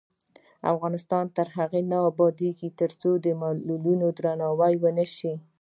افغانستان تر هغو نه ابادیږي، ترڅو د معلولینو درناوی ونشي.